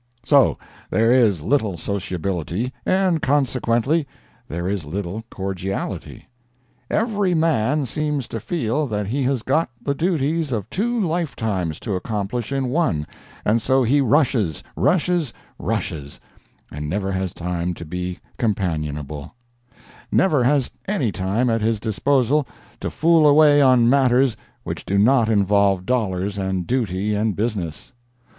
So there is little sociability, and, consequently, there is little cordiality. Every man seems to feel that he has got the duties of two lifetimes to accomplish in one, and so he rushes, rushes, rushes, and never has time to be companionable—never has any time at his disposal to fool away on matters which do not involve dollars and duty and business.